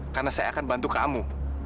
karena saya akan bantu kamu